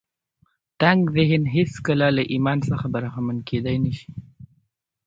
تنګ ذهن هېڅکله له ایمان څخه برخمن کېدای نه شي